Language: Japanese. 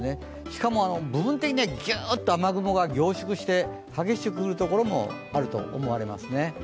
しかも、部分的にはぎゅーっと雨雲が凝縮して激しく降るところもあると思われますね。